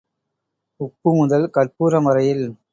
உப்பு முதல் கர்ப்பூரம் வரையில்.